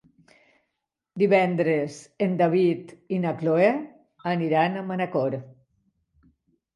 Divendres en David i na Cloè aniran a Manacor.